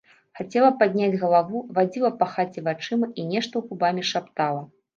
Хацела падняць галаву, вадзіла па хаце вачыма і нешта губамі шаптала.